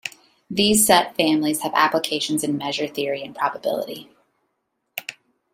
These set families have applications in measure theory and probability.